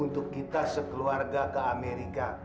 untuk kita sekeluarga ke amerika